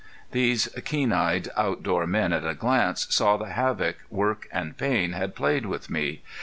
These keen eyed outdoor men at a glance saw the havoc work and pain had played with me.